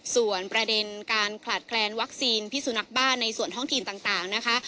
ส่วนประเด็นการขาดแคลนวัคซีนพิสุนักบ้าในส่วนท้องถิ่นต่างนะคะ